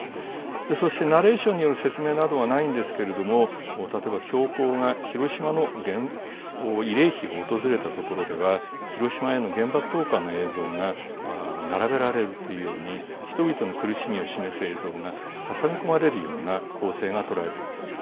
そして、ナレーションなどによる説明などはないんですが例えば、教皇が広島の慰霊碑を訪れたところでは広島への原爆投下の映像が並べられるというように人々の苦しみを示す映像が挟み込まれるような構成がとられています。